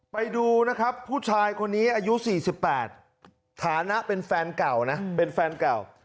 ไปดูนะครับผู้ชายคนนี้อายุ๔๘ฐานะเป็นแฟนเก่านะเป็นแฟนเก่า